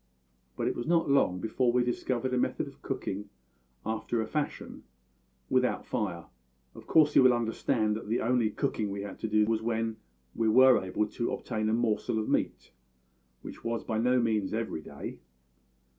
But it was not long before we discovered a method of cooking after a fashion without fire. Of course you will understand that the only cooking we had to do was when we were able to obtain a morsel of meat, which was by no means every day.